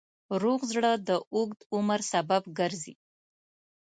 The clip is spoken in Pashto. روغ زړه د اوږد عمر سبب ګرځي.